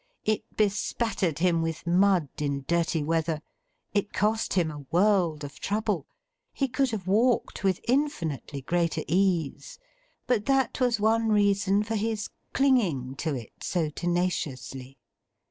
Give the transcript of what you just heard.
It bespattered him with mud in dirty weather; it cost him a world of trouble; he could have walked with infinitely greater ease; but that was one reason for his clinging to it so tenaciously.